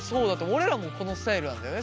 俺らもこのスタイルなんだよね。